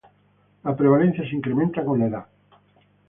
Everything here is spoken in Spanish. La prevalencia se incrementa con la edad.